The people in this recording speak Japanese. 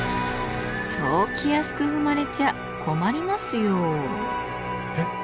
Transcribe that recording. そう気安く踏まれちゃ困りますよ。